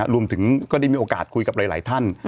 รวมถึงก็ได้มีโอกาสคุยกับหลายท่าน